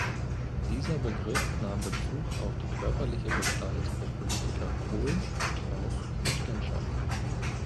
Dieser Begriff nahm Bezug auf die körperliche Gestalt der Politiker Kohl, Strauß und Genscher.